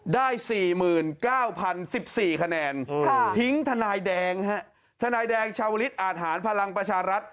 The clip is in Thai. ได้๔๙๐๑๔คะแนนทิ้งทนายแดงฮะทนายแดงชาวลิศอาทหารพลังประชารัฐ